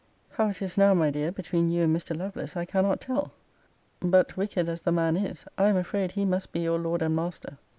How it is now, my dear, between you and Mr. Lovelace, I cannot tell. But, wicked as the man is, I am afraid he must be your lord and master.